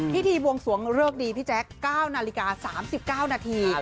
พิธีบวงสวงเลิกดีพี่แจ๊ค๙นาฬิกา๓๙นาที